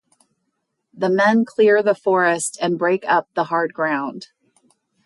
The men clear the forest and break up the hard ground.